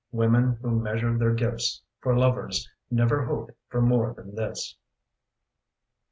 Women who measure their gifts for lovers Never hope for more than this.